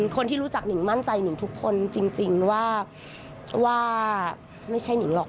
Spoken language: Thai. คนที่รู้จักหนิงมั่นใจหนิงทุกคนจริงว่าไม่ใช่หนิงหรอก